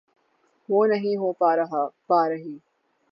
وہ نہیں ہو پا رہی۔